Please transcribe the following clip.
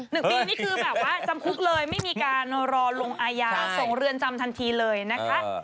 หนึ่งปีนี่คือแบบว่าจำคุกเลยไม่มีการรอลงอาญาส่งเรือนจำทันทีเลยนะคะ